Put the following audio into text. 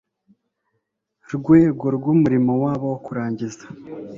rwego rw umurimo wabo wo kurangiza